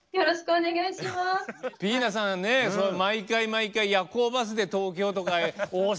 ぴぃなさんね毎回毎回夜行バスで東京とか大阪とか。